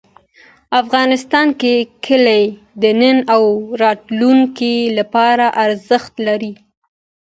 افغانستان کې کلي د نن او راتلونکي لپاره ارزښت لري.